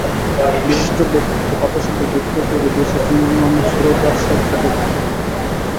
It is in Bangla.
বিশিষ্ট ব্যক্তিত্ব—কথাশিল্পী ভিক্টর হুগো, বীরশ্রেষ্ঠ নূর মোহাম্মদ, সুরকার শেখ সাদী খান।